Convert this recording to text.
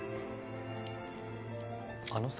あのさ。